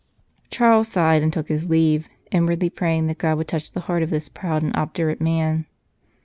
Charles sighed and took his leave, inwardly praying that God would touch the heart of this proud and obdurate man.